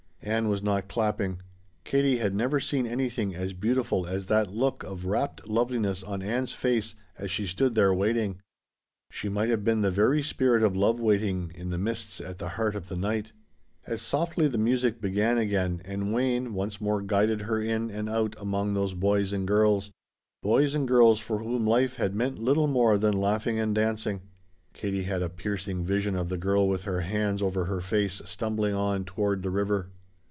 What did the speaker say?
Ann was not clapping. Katie had never seen anything as beautiful as that look of rapt loveliness on Ann's face as she stood there waiting. She might have been the very spirit of love waiting in the mists at the heart of the night. As softly the music began again and Wayne once more guided her in and out among those boys and girls boys and girls for whom life had meant little more than laughing and dancing Katie had a piercing vision of the girl with her hands over her face stumbling on toward the river.